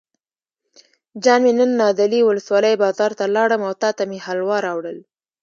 جان مې نن نادعلي ولسوالۍ بازار ته لاړم او تاته مې حلوا راوړل.